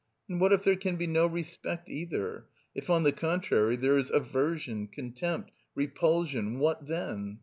And what if there can be no respect either, if on the contrary there is aversion, contempt, repulsion, what then?